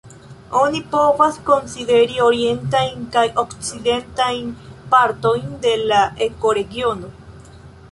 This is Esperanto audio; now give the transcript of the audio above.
Oni povas konsideri orientajn kaj okcidentajn partojn de la ekoregiono.